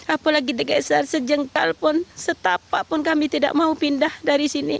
apalagi digeser sejengkal pun setapapun kami tidak mau pindah dari sini